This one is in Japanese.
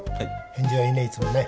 返事はいいねいつもね。